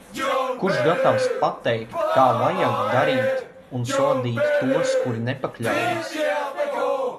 Kurš gatavs pateikt, kā vajag darīt un sodīt tos, kuri nepakļaujas.